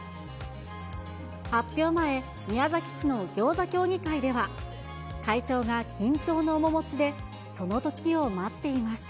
発表前、宮崎市のぎょうざ協議会では、会長が緊張の面持ちで、そのときを待っていました。